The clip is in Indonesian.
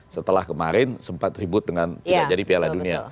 setelah kemarin sempat ribut dengan tidak jadi piala dunia